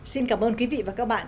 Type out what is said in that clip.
xin cảm ơn quý vị và các bạn